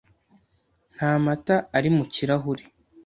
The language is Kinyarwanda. Nta mata ari mu kirahure.